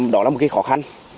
đó là một cái khó khăn